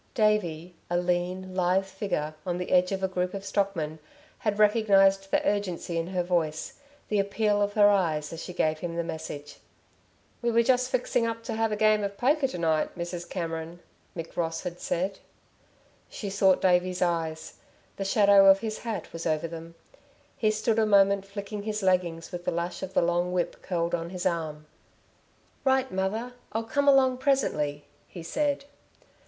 Davey, a lean, lithe figure, on the edge of a group of stockmen, had recognised the urgency in her voice, the appeal of her eyes, as she gave him the message. "We were just fixing up to have a game of poker to night, Mrs. Cameron," Mick Ross had said. She sought Davey's eyes. The shadow of his hat was over them. He stood a moment flicking his leggings with the lash of the long whip curled on his arm. "Right, mother! I'll come along, presently," he said.